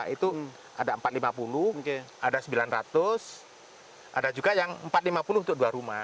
itu ada empat ratus lima puluh ada sembilan ratus ada juga yang empat ratus lima puluh untuk dua rumah